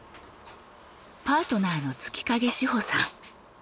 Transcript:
パートナーの月影詩歩さん。